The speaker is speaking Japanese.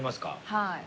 はい。